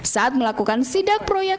saat melakukan sidak proyek